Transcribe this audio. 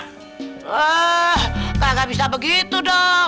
wah nggak bisa begitu dong